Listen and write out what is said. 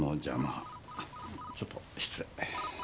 あっちょっと失礼。